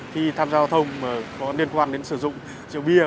khi tham gia giao thông có liên quan đến sử dụng rượu bia